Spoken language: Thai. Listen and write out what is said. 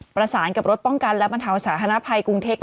ประสานกับรถป้องกันและบรรเทาสาธารณภัยกรุงเทพ